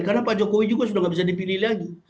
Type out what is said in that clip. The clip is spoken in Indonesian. karena pak jokowi juga sudah nggak bisa dipilih lagi